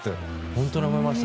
本当に思いました。